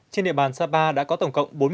trên địa bàn sapa đã có tổng cộng